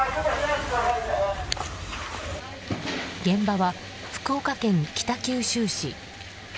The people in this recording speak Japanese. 現場は、福岡県北九州市。